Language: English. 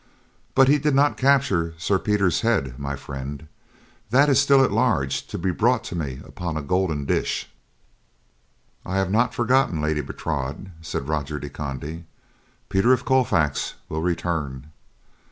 But he did not capture Sir Peter's head, my friend; that is still at large to be brought to me upon a golden dish." "I have not forgotten, Lady Bertrade," said Roger de Conde. "Peter of Colfax will return."